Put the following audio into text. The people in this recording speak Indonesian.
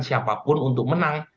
siapapun untuk menang